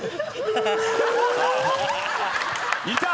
いた！